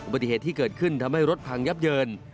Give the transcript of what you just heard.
ปฏิเหตุที่เกิดขึ้นทำให้รถพังยับเยิน